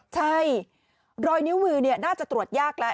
ใช่รอยนิ้วมือน่าจะตรวจยากแล้ว